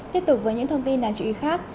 tiếp tục với những thông tin đáng chú ý khác